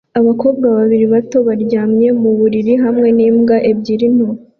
Abakobwa babiri bato baryamye mu buriri hamwe n'imbwa ebyiri nto